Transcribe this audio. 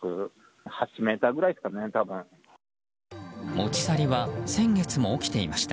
持ち去りは先月も起きていました。